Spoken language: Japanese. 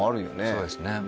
そうですね。